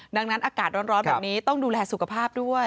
ดังนั้นอากาศร้อนแบบนี้ต้องดูแลสุขภาพด้วย